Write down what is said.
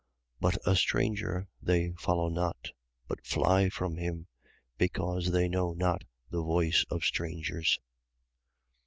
10:5. But a stranger they follow not, but fly from him, because they know not the voice of strangers.